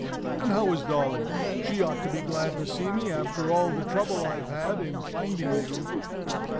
And how is Dolly? She ought to be glad to see me, after all the trouble I've had in finding you!